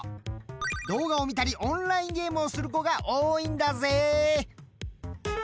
動画を見たりオンラインゲームをする子が多いんだぜ！